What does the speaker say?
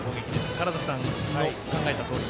川原崎さんの考えたとおり。